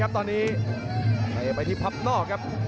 ตอนนี้เทไปที่พับนอกครับ